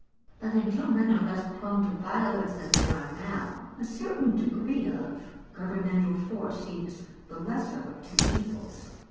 But until men are less prone to violence than they are now, a certain degree of governmental force seems the lesser of two evils.